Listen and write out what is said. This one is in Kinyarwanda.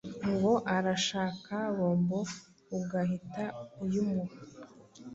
ngo arashaka bombo ugahita uyimuha,